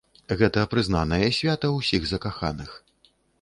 Гэта прызнанае свята ўсіх закаханых.